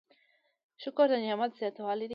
شکر د نعمت زیاتوالی دی؟